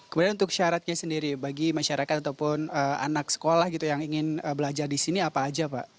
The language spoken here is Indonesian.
kemudian untuk syaratnya sendiri bagi masyarakat ataupun anak sekolah gitu yang ingin belajar di sini apa aja pak